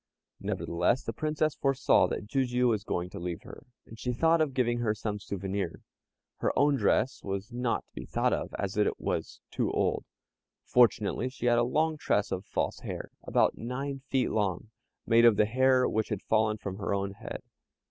Nevertheless, the Princess foresaw that Jijiu was going to leave her, and she thought of giving her some souvenir. Her own dress was not to be thought of, as it was too old; fortunately she had a long tress of false hair, about nine feet long, made of the hair which had fallen from her own head.